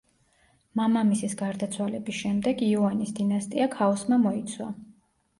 მამამისის გარდაცვალების შემდეგ იუანის დინასტია ქაოსმა მოიცვა.